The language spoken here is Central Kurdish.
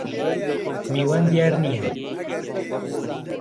میوان دیار نییه